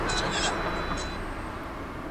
زه اجازه لرم چي انځور وګورم!؟